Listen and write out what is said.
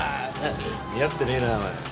似合ってねえなお前。